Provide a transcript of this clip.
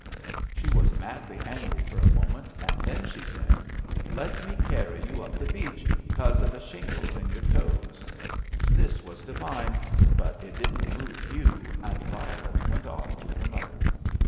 She was madly angry for a moment, and then she said: '* Let me carry you up the beach, 'cause of the shingles in your toes.'* This was divine, but it didn/t move Hugh, and Violet went off to her mother.